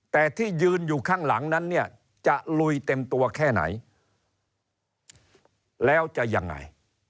แต่ที่ยืนอยู่ข้างหลังนั้นเนี่ยจะลุยเต็มตัวแค่ไหนแล้วจะยังไง